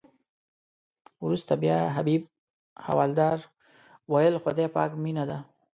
وروسته بیا حبیب حوالدار ویل خدای پاک مینه ده.